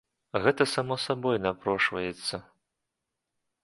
Гэта само сабой напрошваецца.